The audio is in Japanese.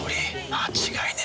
間違いねえ。